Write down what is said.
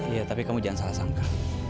iya tapi kamu jangan salah sangka